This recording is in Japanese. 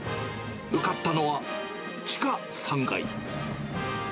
向かったのは、地下３階。